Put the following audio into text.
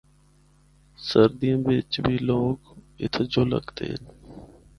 سردیاں بچ بھی لوگ اِتھا جُل ہکدے ہن۔